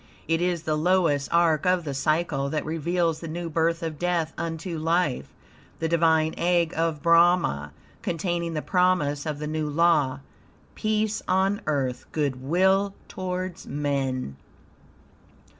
It is the lowest arc of the cycle that reveals the new birth of death unto life the divine egg of Brahma, containing the promise of the new law: "Peace on Earth, good will towards men."